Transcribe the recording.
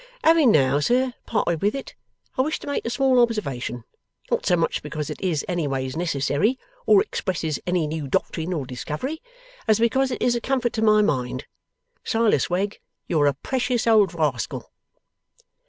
Having now, sir, parted with it, I wish to make a small observation: not so much because it is anyways necessary, or expresses any new doctrine or discovery, as because it is a comfort to my mind. Silas Wegg, you are a precious old rascal.